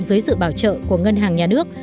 dưới sự bảo trợ của ngân hàng nhà nước